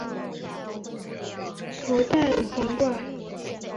另一个环内的白头海雕并没有为此头戴皇冠。